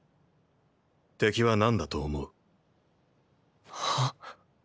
敵は何だと思う？は？